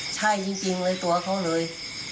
ใช่จริงในตัวเขาเลย